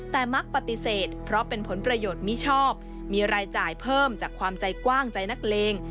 แต่มักปฏิเสธเพราะเป็นผลประโยชน์มิชอบมีรายจ่ายเพิ่มจากความใจกว้างใจนักเลง